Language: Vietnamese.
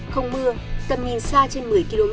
không mưa tầm nghìn xa trên một mươi km